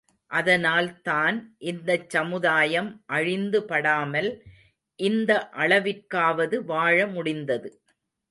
அதனால்தான் இந்தச் சமுதாயம் அழிந்து படாமல் இந்த அளவிற்காவது வாழ முடிந்தது.